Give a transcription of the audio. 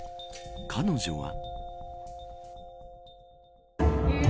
彼女は。